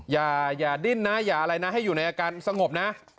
อย่าดิ้นนะอย่าอะไรนะให้อยู่ในอาการสงบนะ